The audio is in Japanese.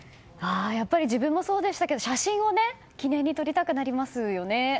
やっぱり自分もそうでしたが写真を記念に撮りたくなりますね。